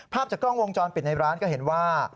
ภาพจากกล้องวงจรปิดในร้านก็เห็นว่า